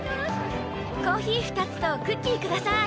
コーヒー２つとクッキー下さい。